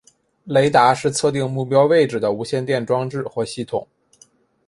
雷达是测定目标位置的无线电装置或系统。